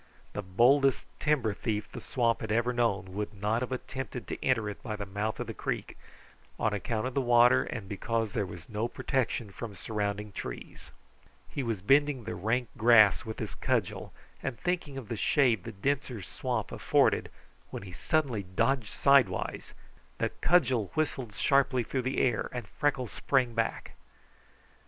The boldest timber thief the swamp ever had known would not have attempted to enter it by the mouth of the creek, on account of the water and because there was no protection from surrounding trees. He was bending the rank grass with his cudgel, and thinking of the shade the denser swamp afforded, when he suddenly dodged sidewise; the cudgel whistled sharply through the air and Freckles sprang back.